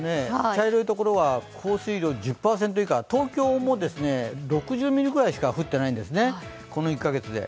茶色いところは降水量１０％以下、東京も、６０ミリぐらいしか降っていないんですね、この１カ月で。